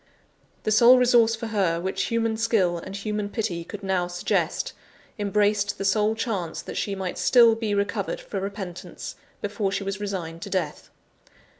The sole resource for her which human skill and human pity could now suggest, embraced the sole chance that she might still be recovered for repentance, before she was resigned to death.